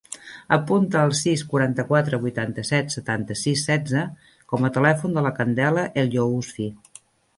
Apunta el sis, quaranta-quatre, vuitanta-set, setanta-sis, setze com a telèfon de la Candela El Yousfi.